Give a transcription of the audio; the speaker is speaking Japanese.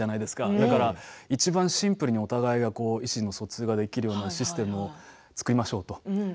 だからいちばんシンプルにお互いが意思の疎通ができるようなシステムを作りましょうと。